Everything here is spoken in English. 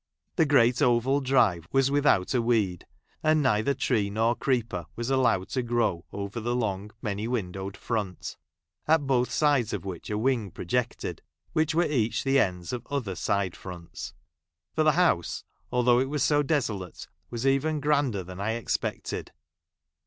The great oval drive was without a . weed ; and neither tree nor creeper was allowed to grow over the long, many windowed front ; at both sides of which a wing projected, which were each the ends of other side fronts ; for the house, although it was so desolate, | was even grander than I expected.